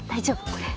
これ。